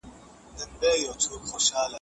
تاسو کولای شئ چې لاړ شئ.